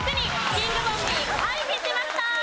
キングボンビー回避しました！